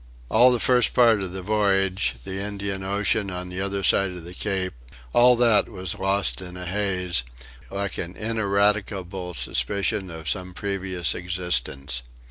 All the first part of the voyage, the Indian Ocean on the other side of the Cape, all that was lost in a haze, like an ineradicable suspicion of some previous existence.